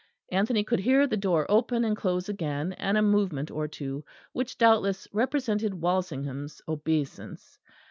Anthony could hear the door open and close again, and a movement or two, which doubtless represented Walsingham's obeisance.